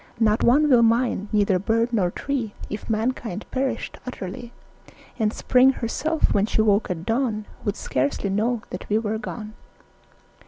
Not one would mind, neither bird nor tree If mankind perished utterly; And Spring herself, when she woke at dawn, Would scarcely know that we were gone.